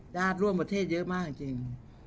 ญาติร่วมประเทศเยอะมากจริง